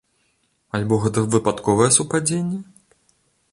Альбо гэта выпадковае супадзенне?